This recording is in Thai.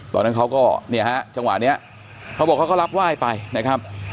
ตอนนั้นเขาก็เนี่ยฮะจังหวะนี้เขาบอกเขาก็รับไหว้ไปนะครับ